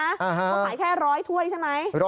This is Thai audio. เขาขายแค่๑๐๐ถ้วยใช่ไหม